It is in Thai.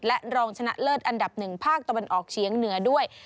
และรองชนะเลิศอันดับ๑ภาคตะวันออกเฉียงเหนือด้วย